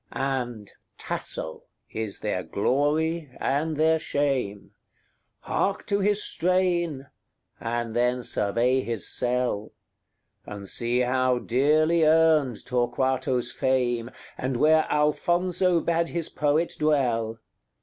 XXXVI. And Tasso is their glory and their shame. Hark to his strain! and then survey his cell! And see how dearly earned Torquato's fame, And where Alfonso bade his poet dwell.